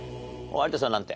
有田さんなんて？